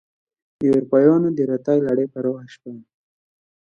د اروپایانو دراتګ لړۍ پراخه شوه.